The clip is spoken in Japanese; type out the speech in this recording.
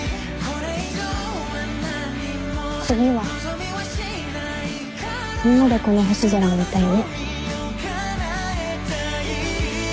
次はみんなでこの星空を見たいね。